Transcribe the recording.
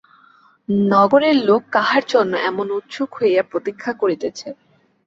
নগরের লোক কাহার জন্য এমন উৎসুক হইয়া প্রতীক্ষা করিতেছে।